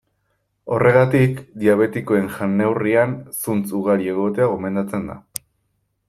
Horregatik, diabetikoen jan-neurrian zuntz ugari egotea gomendatzen da.